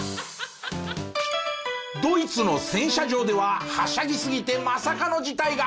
ドイツの洗車場でははしゃぎすぎてまさかの事態が。